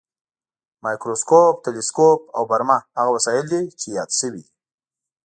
مایکروسکوپ، تلسکوپ او برمه هغه وسایل دي چې یاد شوي دي.